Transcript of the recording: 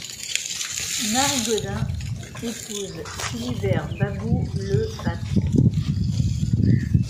Marie Gaudin épouse Philibert Babou le à Tours.